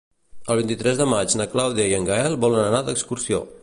El vint-i-tres de maig na Clàudia i en Gaël volen anar d'excursió.